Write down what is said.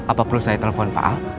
apa perlu saya telepon pak al